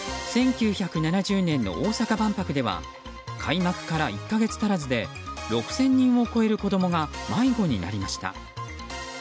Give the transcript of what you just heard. １９７０年の大阪万博では開幕から１か月足らずで６００人を超える子供が迷子になりました。